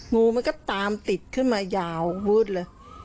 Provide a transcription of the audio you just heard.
งูมันก็ตามติดขึ้นมายาววืดเลย